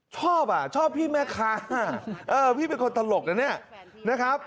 ชอบอ่ะชอบพี่แม่ค้าพี่เป็นคนตลกนะเนี่ย